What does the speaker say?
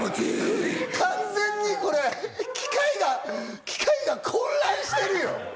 完全に、これ機械が混乱してるよ。